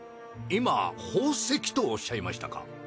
今宝石とおっしゃいましたか？